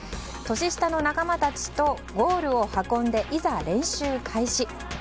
年下の仲間たちとゴールを運んで、いざ練習開始。